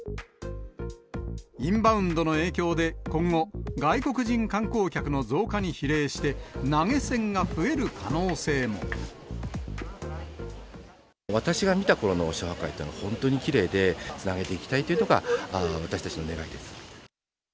インバウンドの影響で今後、外国人観光客の増加に比例して、私が見たころの忍野八海というのは本当にきれいで、つなげていきたいというのが私たちの願いです。